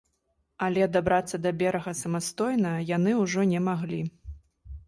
Але дабрацца да берага самастойна яны ўжо не маглі.